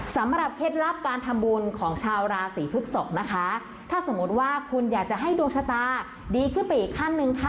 เคล็ดลับการทำบุญของชาวราศีพฤกษกนะคะถ้าสมมติว่าคุณอยากจะให้ดวงชะตาดีขึ้นไปอีกขั้นหนึ่งค่ะ